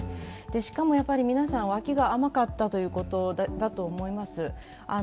しかも、皆さん脇が甘かったということだと思います。